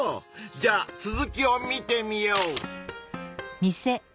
じゃあ続きを見てみよう！